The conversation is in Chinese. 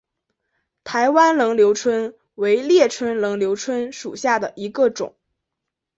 台湾菱瘤蝽为猎蝽科菱瘤蝽属下的一个种。